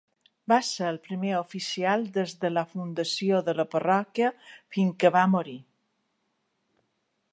Va ser el primer oficial des de la fundació de la parròquia fins que va morir.